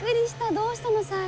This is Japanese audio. どうしたのさえ。